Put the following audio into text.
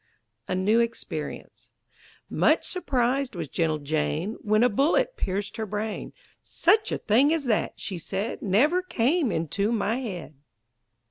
A NEW EXPERIENCE Much surprised was gentle Jane When a bullet pierced her brain; "Such a thing as that," she said, "Never came into my head!"